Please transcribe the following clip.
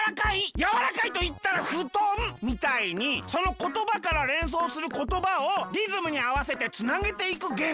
「やわらかいといったらふとん」みたいにそのことばかられんそうすることばをリズムにあわせてつなげていくゲームだよ。